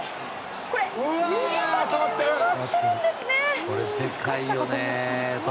これ、指先で触ってるんですね。